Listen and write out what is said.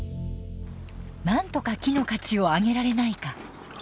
何とか木の価値を上げられないか。